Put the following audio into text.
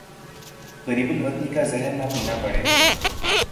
غریب الوطنی کا زہر نہ پینا پڑے